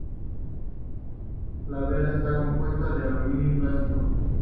La vela está compuesta de aluminio y plástico.